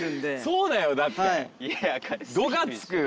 そうだよだって。